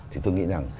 thì tôi nghĩ rằng